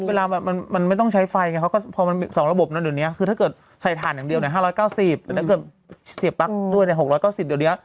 เวลามันไม่ต้องใช้ไฟไงเพราะมันมี๒ระบบถ้าเกิดใส่ฐานอย่างเดียว๕๙๐ถ้าเกิดเสียบปลั๊กด้วย๖๙๐เดี๋ยวนี้